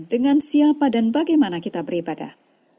dengan siapa dan bagaimana kita beribadah